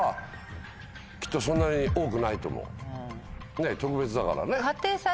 ねぇ特別だからね。